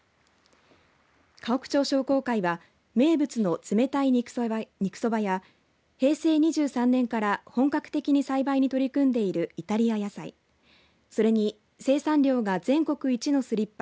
河北町商工会は名物の冷たい肉そばや平成２３年から本格的に栽培に取り組んでいるイタリア野菜それに生産量が全国一のスリッパ